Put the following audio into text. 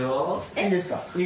いいですか？